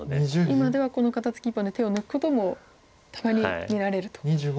今ではこの肩ツキ１本で手を抜くこともたまに見られると。